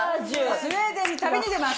スウェーデンに旅に出ます。